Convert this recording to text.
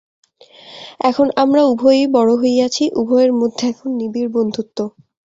এখন আমরা উভয়েই বড় হইয়াছি, উভয়ের মধ্যে এখন নিবিড় বন্ধুত্ব।